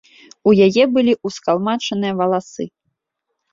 У яе былі ўскалмачаныя валасы.